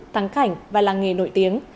tăng cảnh và làng nghề nổi tiếng